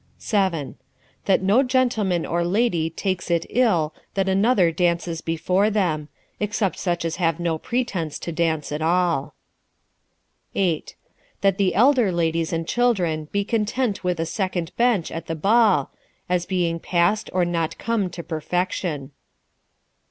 7. " That no gentleman or lady takes it ill that another dances before them ; except such as have no pretence to dance at all. 8. " That the elder ladies and children be content with a second bench at the ball, as being past or not come to perfection.